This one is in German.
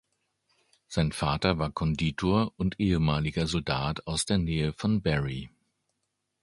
Sein Vater war Konditor und ehemaliger Soldat aus der Nähe von Berry.